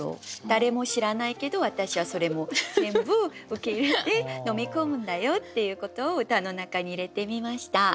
誰も知らないけど私はそれも全部受け入れて飲み込むんだよっていうことを歌の中に入れてみました。